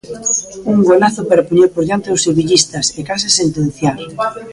Un golazo para poñer por diante aos sevillista e case sentenciar.